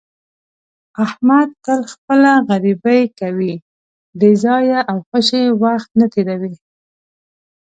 احمد تل خپله غریبي کوي، بې ځایه او خوشې وخت نه تېروي.